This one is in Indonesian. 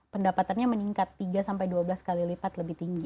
pendapatannya meningkat tiga sampai dua belas kali lipat lebih tinggi